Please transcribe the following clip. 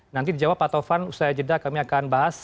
nanti dijawab pak tovan usai jeda kami akan bahas